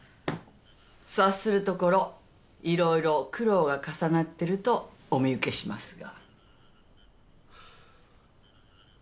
察するところ色々苦労が重なってるとお見受けしますが。